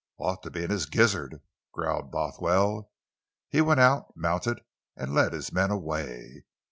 "Ought to be in his gizzard!" growled Bothwell. He went out, mounted, and led his men away.